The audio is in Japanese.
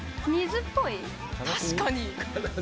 確かに。